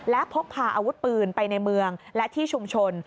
และพกพาอาวุธปืนไปในเมืองและที่ชุมชน